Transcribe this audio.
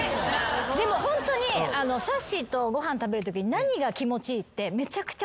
でもホントにさっしーとご飯食べるときに何が気持ちいいって。